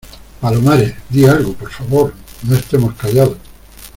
palomares, di algo. por favor , no estemos callados .